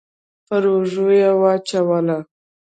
پر اوږه يې واچوله.